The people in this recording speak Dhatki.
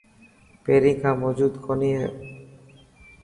پهرين کان موجون ڪوني هي.